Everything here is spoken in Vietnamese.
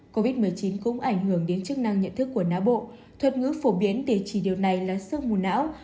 covid một mươi chín cũng ảnh hưởng đến chức năng nhận thức của não bộ thuật ngữ phổ biến để chỉ điều này là sương mù não